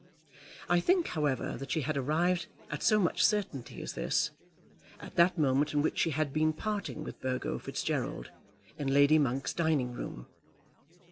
I think, however, that she had arrived at so much certainty as this, at that moment in which she had been parting with Burgo Fitzgerald, in Lady Monk's dining room.